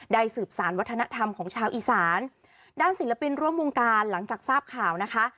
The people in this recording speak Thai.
สืบสารวัฒนธรรมของชาวอีสานด้านศิลปินร่วมวงการหลังจากทราบข่าวนะคะ